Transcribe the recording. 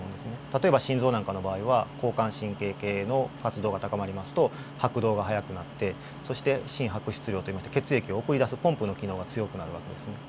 例えば心臓なんかの場合は交感神経系の活動が高まりますと拍動が速くなってそして心拍出量といいまして血液を送り出すポンプの機能が強くなる訳ですね。